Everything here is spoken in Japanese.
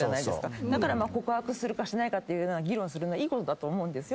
だから告白するかしないかっていうような議論するのはいいことだと思うんですよ。